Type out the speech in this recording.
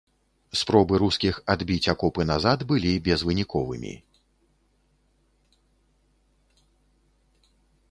Спробы рускіх адбіць акопы назад былі безвыніковымі.